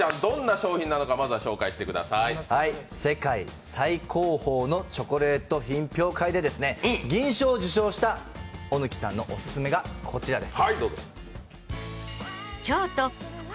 世界最高峰のチョコレート品評会で銀賞を受賞した小抜さんのオススメがこちらです。